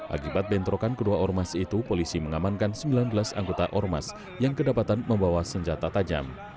akibat bentrokan kedua ormas itu polisi mengamankan sembilan belas anggota ormas yang kedapatan membawa senjata tajam